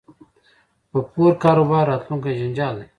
په پور کاروبار راتلونکی جنجال دی